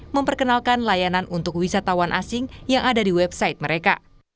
memperkenalkan layanan untuk wisatawan asing yang ada di website mereka